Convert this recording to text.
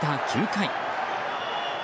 ９回。